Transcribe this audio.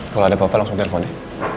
kalau ada papa langsung telepon ya